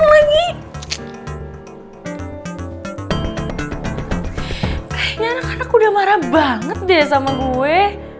kayaknya anak anak udah marah banget deh sama gue